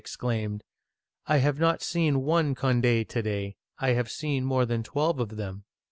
(1643 1715) 323 exclaimed, "I have not seen one Cond6 to day; I have seen more than twelve of them